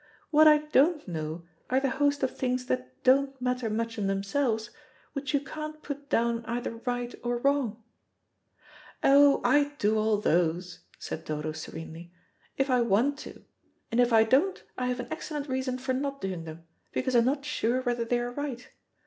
What I don't know are the host of things that don't matter much in themselves, which you can't put down either right or wrong." "Oh, I do all those," said Dodo serenely, "if I want to, and if I don't, I have an excellent reason for not doing them, because I am not sure whether they are right.